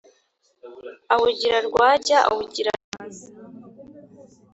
Awugira rwajya, awugira rwaza: